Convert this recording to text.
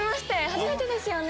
初めてですよね？